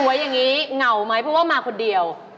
ไว้อย่างนี้เหงาไหมเพราะว่ามาคนเดียว